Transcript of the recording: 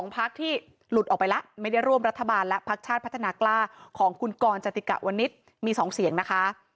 พักที่หลุดออกไปแล้วไม่ได้ร่วมรัฐบาลและพักชาติพัฒนากล้าของคุณกรจติกะวนิษฐ์มี๒เสียงนะคะ